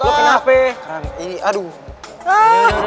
kenapa lu kena apa